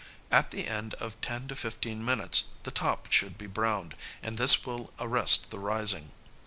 At the end of ten to fifteen minutes the top should be browned, and this will arrest the rising.